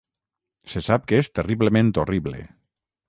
Se sap que és terriblement horrible.